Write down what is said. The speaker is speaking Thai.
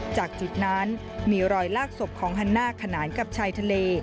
จากจุดนั้นมีรอยลากศพของฮันน่าขนานกับชายทะเล